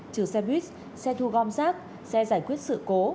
trừ xe buýt xe thu gom rác xe giải quyết sự cố